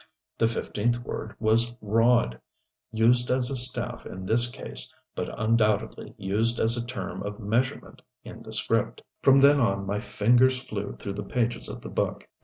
The fifteenth word was rod used as a staff in this case but undoubtedly used as a term of measurement in the script. From then on my fingers flew through the pages of the Book.